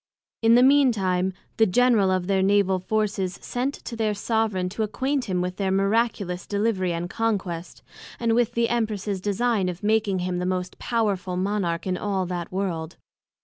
In the mean time, the General of all their Naval Forces, sent to their soveraign to acquaint him with their miraculous Delivery and Conquest, and with the Empress's design of making him the most powerful Monarch of all that World.